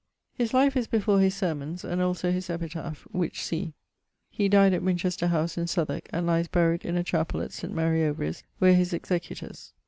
His Life is before his Sermons, and also his epitaph, which see. He dyed at Winchester house, in Southwark, and lies buried in a chapell at St. Mary Overies, where his executors